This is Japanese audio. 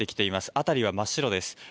辺りは真っ白です。